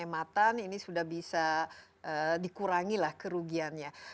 dengan melakukan penghematan ini sudah bisa dikurangi lah kerugiannya